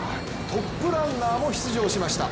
トップランナーも出場しました。